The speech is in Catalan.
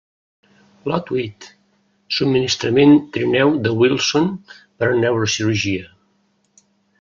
Lot huit: subministrament trineu de Wilson per a Neurocirurgia.